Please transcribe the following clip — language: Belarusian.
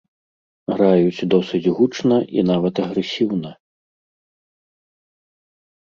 Граюць досыць гучна і нават агрэсіўна.